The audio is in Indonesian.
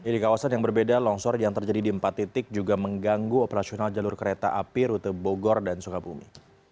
jadi kawasan yang berbeda longsor yang terjadi di empat titik juga mengganggu operasional jalur kereta api rute bogor dan sukabumi